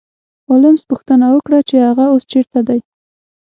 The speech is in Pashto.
هولمز پوښتنه وکړه چې هغه اوس چیرته دی